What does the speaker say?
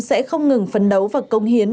sẽ không ngừng phấn đấu và công hiến